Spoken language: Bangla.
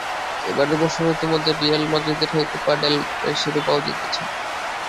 এবারের মৌসুমে ইতিমধ্যে রিয়াল মাদ্রিদের হয়ে কোপা ডেল রের শিরোপাও জিতেছেন।